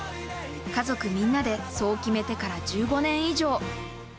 家族みんなでそう決めてから１５年以上。